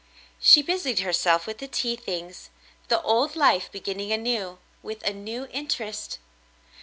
She busied herself with the tea things — the old life beginning anew — with a new interest.